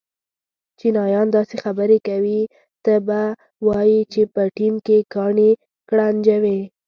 چینایان داسې خبرې کوي ته به وایې چې په ټېم کې کاڼي گړنجوې.